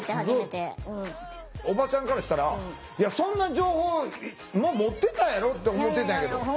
おばちゃんからしたらいやそんな情報もう持ってたやろ？って思ってたんやけど。